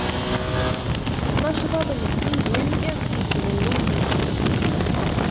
D acḍaḍ zeddigen iɣef ittban wammus.